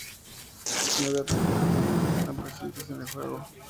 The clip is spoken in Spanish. Nueve atributos mágicos están presentes en el juego.